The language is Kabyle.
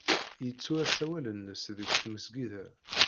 Yettu asawal-nnes deg tmesgida.